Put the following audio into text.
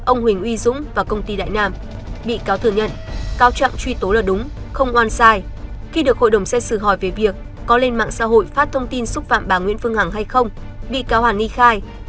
ông huỳnh uy dũng và công ty đại nam bị cáo thừa nhận cao chậm truy tố là đúng không oan sai khi được hội đồng xét xử hỏi về việc có lên mạng xã hội phát thông tin xúc phạm bà nguyễn phương hằng hay không bị cáo hoàng ni khai